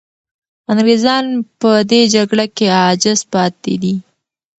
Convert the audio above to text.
انګریزان په دې جګړه کې عاجز پاتې دي.